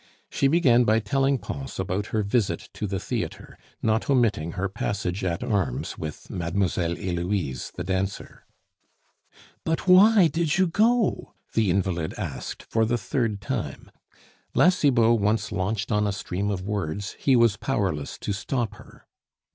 She began by telling Pons about her visit to the theatre, not omitting her passage at arms with Mlle. Heloise the dancer. "But why did you go?" the invalid asked for the third time. La Cibot once launched on a stream of words, he was powerless to stop her.